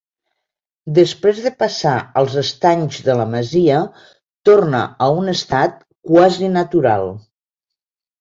Després de passar els estanys de la masia, torna a un estat quasi natural.